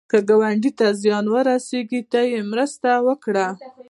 که ګاونډي ته زیان ورسېږي، ته یې مرسته وکړه